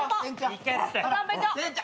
行けって。